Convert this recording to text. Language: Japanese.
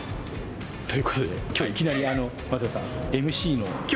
という事で今日いきなり松坂さん。